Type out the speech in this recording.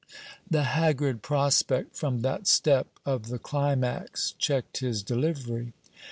The haggard prospect from that step of the climax checked his delivery.